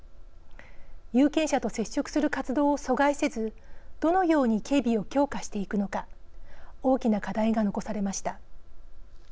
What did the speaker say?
有権者と接触する活動を阻害せずどのように警備を強化していくのか大きな課題が残されました。